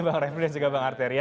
bang refli dan juga bang arteria